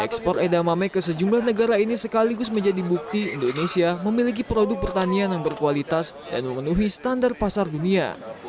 ekspor edamame ke sejumlah negara ini sekaligus menjadi bukti indonesia memiliki produk pertanian yang berkualitas dan memenuhi standar pasar dunia